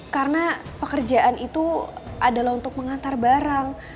karena pekerjaan itu adalah untuk mengantar barang